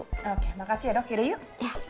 oke makasih ya dok hidup yuk